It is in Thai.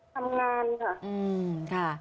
ทำงานค่ะ